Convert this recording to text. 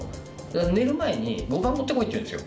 寝る前に碁盤持ってこいって言うんですよ。